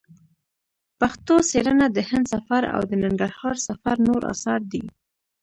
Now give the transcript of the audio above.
پښتو څېړنه د هند سفر او د ننګرهار سفر نور اثار دي.